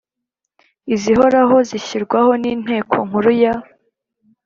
izihoraho zishyirwaho n Inteko Nkuru ya